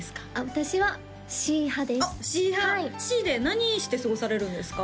私はシー派ですおっシー派シーで何して過ごされるんですか？